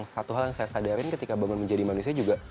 satu hal yang saya sadarin ketika bangun menjadi manusia juga